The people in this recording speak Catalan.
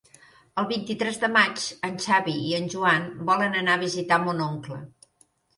El vint-i-tres de maig en Xavi i en Joan volen anar a visitar mon oncle.